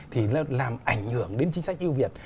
thì nó làm ảnh hưởng đến chính sách yêu việt